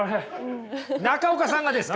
中岡さんがですか？